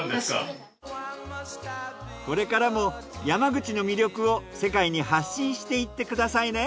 これからも山口の魅力を世界に発信していってくださいね。